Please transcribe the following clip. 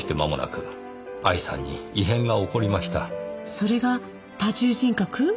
それが多重人格？